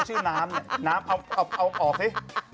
ชื่อแท้น้ำเอาออกซิ